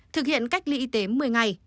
thực hiện cách ly y tế một mươi ngày